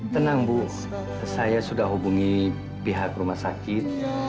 tenang bu saya sudah hubungi pihak rumah sakit